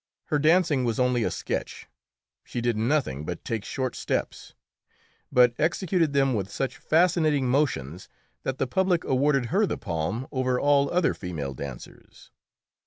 Her dancing was only a sketch; she did nothing but take short steps, but executed them with such fascinating motions that the public awarded her the palm over all other female dancers.